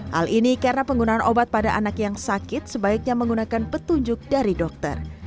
hal ini karena penggunaan obat pada anak yang sakit sebaiknya menggunakan petunjuk dari dokter